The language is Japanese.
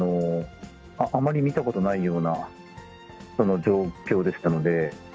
あまり見たことないような状況でしたので。